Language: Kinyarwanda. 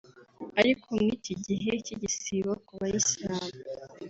ariko nk’iki gihe cy’igisibo ku bayisilamu